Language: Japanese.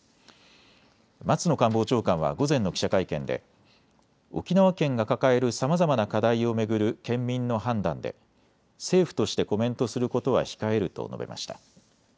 松野官房長官は午前の記者会見で沖縄県が抱えるさまざまな課題を巡る県民の判断で政府としてコメントすることは控えると述べました。